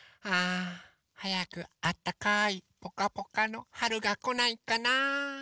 あはやくあったかいぽかぽかのはるがこないかな。